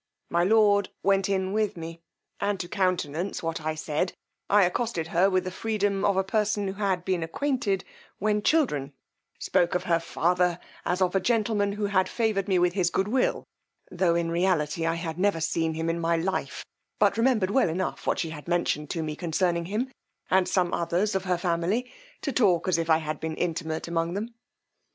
My lord went in with me; and to countenance what I said, I accosted her with the freedom of a person who had been acquainted when children, spoke of her father as of a gentleman who had favoured me with his good will, tho', in reality, I had never seen him in my life, but remembered well enough what she had mentioned to me concerning him, and some others of her family, to talk as if I had been intimate among them.